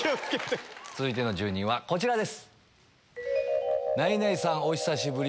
続いての住人はこちらです。